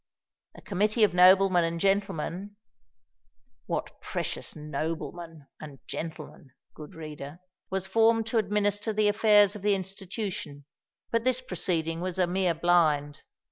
A committee of noblemen and gentlemen (what precious noblemen and gentlemen, good reader!) was formed to administer the affairs of the institution; but this proceeding was a mere blind.